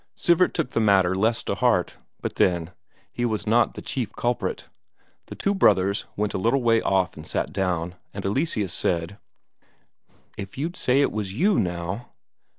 Sivert took the matter less to heart but then, he was not the chief culprit. The two brothers went a little way off and sat down, and Eleseus said: "If you'd say it was you, now!"